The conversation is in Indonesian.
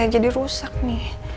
jadi rusak nih